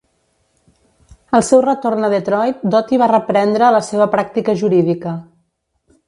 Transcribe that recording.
Al seu retorn a Detroit, Doty va reprendre la seva pràctica jurídica.